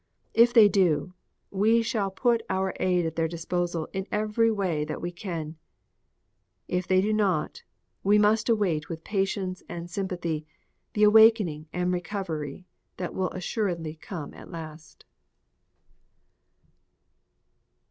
If they do, we shall put our aid at their disposal in every way that we can. If they do not, we must await with patience and sympathy the awakening and recovery that will assuredly come at last.